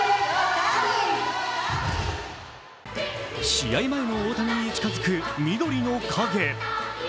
試合前の大谷に近づく緑の影。